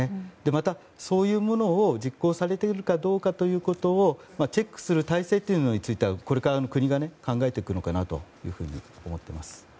また、そういうものが実行されているかをチェックする体制についてはこれから国が考えてくるかなと思っています。